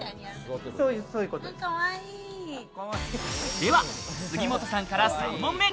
では杉本さんから３問目。